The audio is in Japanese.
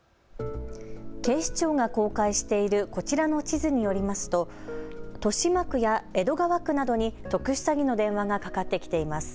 警視庁が公開しているこちらの地図によりますと豊島区や江戸川区などに特殊詐欺の電話がかかってきています。